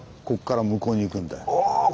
こっから向こうに行くんだよ。